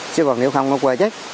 chứ còn nếu không nó quên chết